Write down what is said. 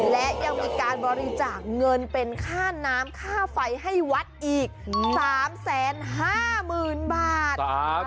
และยังมีการบริจาคเงินเป็นค่าน้ำค่าไฟให้วัดอีก๓๕๐๐๐๐บาท